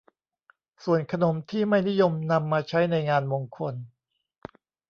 ส่วนขนมที่ไม่นิยมนำมาใช้ในงานมงคล